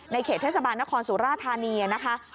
เขตเทศบาลนครสุราธานีนะคะ